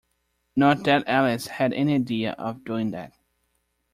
Not that Alice had any idea of doing that.